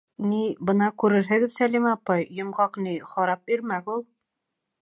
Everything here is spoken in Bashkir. — Ни, бына күрерһегеҙ, Сәлимә апай, Йомғаҡ, ни, харап ирмәк ул...